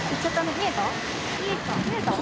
見えた？